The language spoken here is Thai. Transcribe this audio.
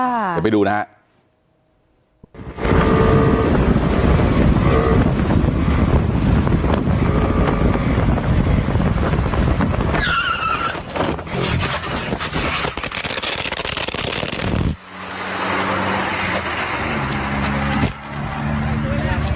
เดี๋ยวไปดูนะฮะ